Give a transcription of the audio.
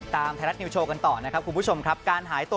ไทยรัฐนิวโชว์กันต่อนะครับคุณผู้ชมครับการหายตัว